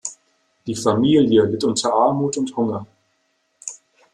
Die Familie litt unter Armut und Hunger.